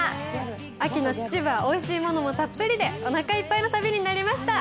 秋の秩父はおいしいものもたっぷりでおなかいっぱいの旅になりました。